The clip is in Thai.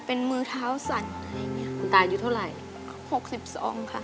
เป็นมือเท้าสั่นคุณตายุทธ์เท่าไรหกสิบสองค่ะ